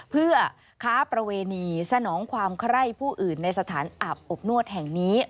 เพื่อค้าประเวณีสนองความไคร้ผู้อื่นในสถานอาบอบนวดแห่งนี้